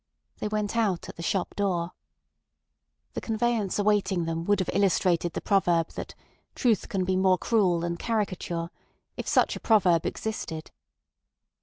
They went out at the shop door. The conveyance awaiting them would have illustrated the proverb that "truth can be more cruel than caricature," if such a proverb existed.